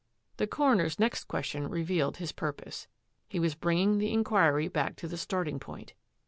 The coroner's next question revealed his pur pose. He was bringing the inquiry back to the starting point.